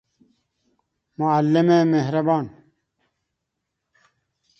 معلم مهربان